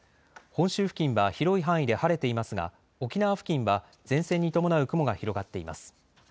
本州付近は広い範囲で晴れていますが沖縄付近は前線に伴う雲が広がっています。